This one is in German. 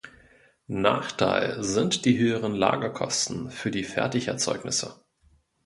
Nachteil sind die höheren Lagerkosten für die Fertigerzeugnisse.